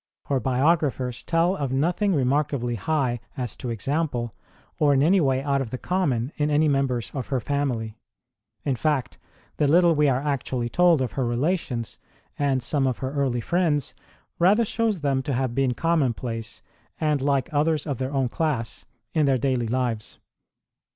Her biographers tell of nothing remarkably high as to example, or in any way out of the common, in any members of her family; in fact, the little we are actually told of her relations and some of her early friends rather shows them to have been commonplace, and like others of their own class in their daily lives.